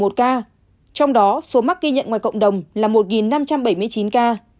trong đó số mắc ghi nhận ngoài cộng đồng là một năm trăm bảy mươi chín ca